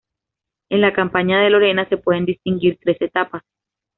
En la campaña de Lorena se pueden distinguir tres etapas.